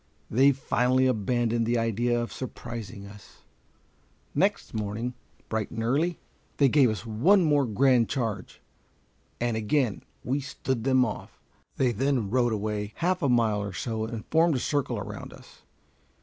They finally abandoned the idea of surprising us. Next morning, bright and early, they gave us one more grand charge, and again we "stood them off." They then rode away half a mile or so, and formed a circle around us.